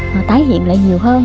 mà tái hiện lại nhiều hơn